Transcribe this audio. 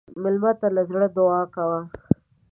مېلمه ته له زړه دعا کوه.